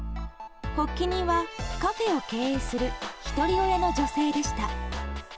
発起人はカフェを経営するひとり親の女性でした。